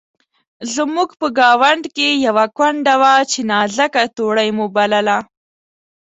زموږ په ګاونډ کې یوه کونډه وه چې نازکه توړۍ مو بلله.